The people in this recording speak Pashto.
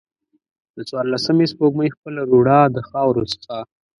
د څوارلسمې سپوږمۍ خپله روڼا د خاورو څخه